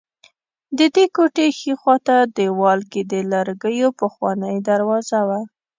ددې کوټې ښي خوا ته دېوال کې د لرګیو پخوانۍ دروازه وه.